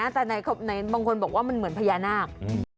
แต่บางคนบอกว่ามันเหมือนพญานาค